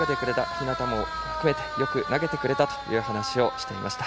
日當も含めてよく投げてくれたと話をしていました。